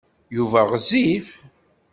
Yuba ɣezzif.